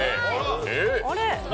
あれ？